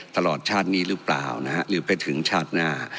ตลอดชาตินี้หรือเปล่านะฮะหรือไปถึงชาติหน้า